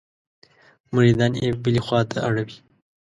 مریدان یې بلې خوا ته اړوي.